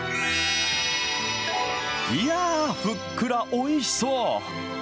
いやー、ふっくら、おいしそう。